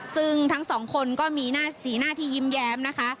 ซึ่งทั้งสองคนก็มีหน้าสีหน้าที่ยิ้มแย้มนะคะ